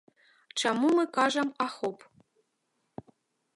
Чаму мы кажам ахоп?